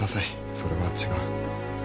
それは違う。